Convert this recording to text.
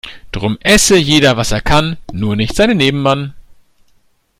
Drum esse jeder was er kann, nur nicht seinen Nebenmann.